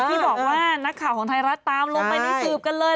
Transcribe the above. ที่บอกว่านักข่าวของไทยรัฐตามลงไปในสืบกันเลย